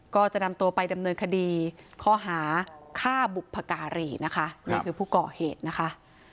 ก็จะนำตัวไปดำเนินคดีข้อหาฆ่าบุพการีนะคะนี่คือผู้ก่อเหตุนะคะ